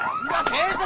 警察。